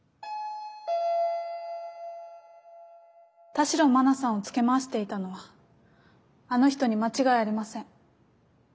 田代真菜さんをつけ回していたのはあの人に間違いありません。